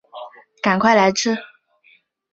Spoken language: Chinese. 赶快来吃